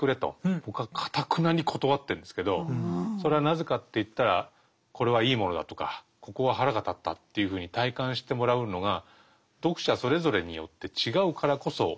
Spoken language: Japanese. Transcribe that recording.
僕はかたくなに断ってるんですけどそれはなぜかっていったらこれはいいものだとかここは腹が立ったというふうに体感してもらうのが読者それぞれによって違うからこそ面白いわけですよね。